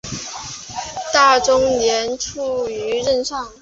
大中年间卒于任上。